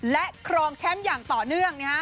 และครองแชมป์อย่างต่อเนื่อง